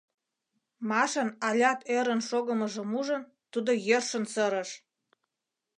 — Машан алят ӧрын шогымыжым ужын, тудо йӧршын сырыш: